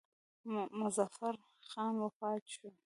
مظفر خان وفات شو.